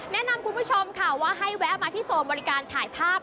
แนะนำคุณผู้ชมค่ะว่าให้แวะมาที่โซนบริการถ่ายภาพ